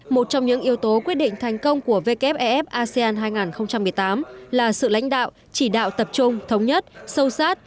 một trong những yếu tố quyết định thành công của wef asean hai nghìn một mươi tám là sự lãnh đạo chỉ đạo tập trung thống nhất sâu sát